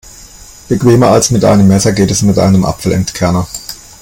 Bequemer als mit einem Messer geht es mit einem Apfelentkerner.